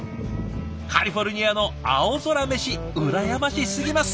カリフォルニアの青空メシ羨ましすぎます。